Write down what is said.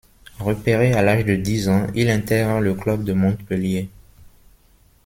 Repéré à l'âge de dix ans, il intègre le club de Montpellier.